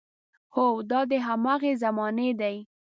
هو، دا د هماغې زمانې دی.